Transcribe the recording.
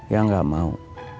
yang gak mau